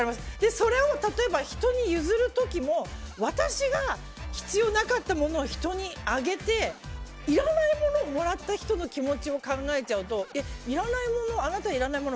それを例えば、人に譲る時も私が必要なかった物を人にあげていらないものをもらった人の気持ちを考えちゃうとあなたいらないもの